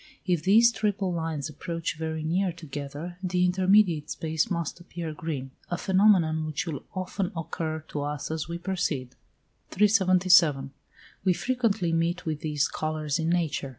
If these triple lines approach very near together, the intermediate space must appear green; a phenomenon which will often occur to us as we proceed. 377. We frequently meet with these colours in nature.